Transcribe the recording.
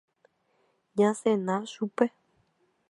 Ñasẽna chupe.